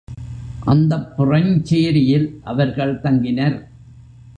அந்தப் புறஞ்சேரியில் அவர்கள் தங்கினர்.